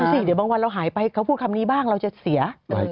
สิเดี๋ยวบางวันเราหายไปเขาพูดคำนี้บ้างเราจะเสีย